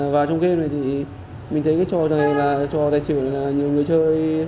và trong game này thì mình thấy cái trò này là trò tài xỉu là nhiều người chơi